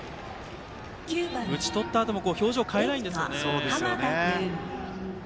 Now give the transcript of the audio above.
打ち取ったあとも表情を変えないです。